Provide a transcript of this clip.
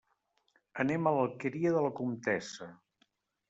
Anem a l'Alqueria de la Comtessa.